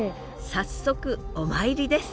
早速お参りです！